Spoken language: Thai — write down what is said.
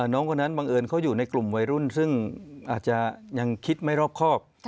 น้องคนนั้นบังเอิญเขาอยู่ในกลุ่มวัยรุ่นซึ่งอาจจะยังคิดไม่รอบครอบ